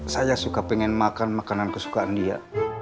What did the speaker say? saya suka pengen makan makanan kesukaan dia